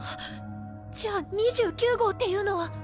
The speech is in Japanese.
じゃあ２９号っていうのは。